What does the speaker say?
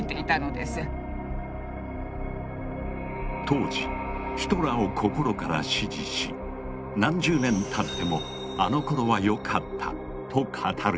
当時ヒトラーを心から支持し何十年たってもあの頃は良かったと語る人たち。